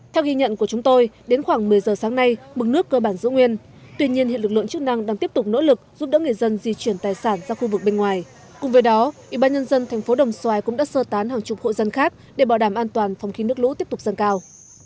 theo ghi nhận của chúng tôi đến khoảng một mươi giờ sáng nay mức nước cơ bản giữ nguyên tuy nhiên hiện lực lượng chức năng đang tiếp tục nỗ lực giúp đỡ người dân di chuyển tài sản ra khu vực bên ngoài cùng với đó ủy ban nhân dân thành phố đồng xoài cũng đã sơ tán hàng chục hội dân khác để bảo đảm an toàn phòng khi nước lũ tiếp tục dâng cao